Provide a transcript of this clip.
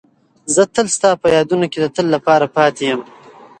زه تل ستا په یادونو کې د تل لپاره پاتې یم.